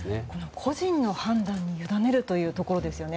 個人の判断に委ねるというところですよね。